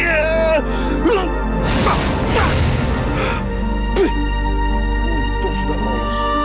kalau gak tahu diri aku sepikir lagi